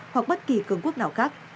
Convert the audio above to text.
hoặc bất kỳ cường quốc nào khác